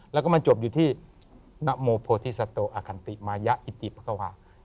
แล้วก็มันจบอยู่ที่นโมโพธิสโตอคันติมายะอิติปะ